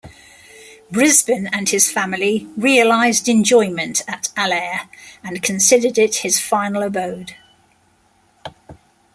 Brisbane and his family realized enjoyment at Allaire and considered it his final abode.